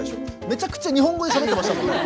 めちゃくちゃ日本語でしゃべってましたもんね。